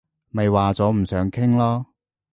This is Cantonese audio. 咪話咗唔想傾囉